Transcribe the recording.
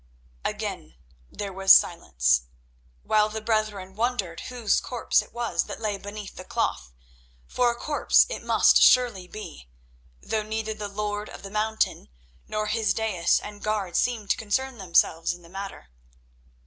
Again there was silence, while the brethren wondered whose corpse it was that lay beneath the cloth, for a corpse it must surely be; though neither the Lord of the Mountain nor his daïs and guards seemed to concern themselves in the matter.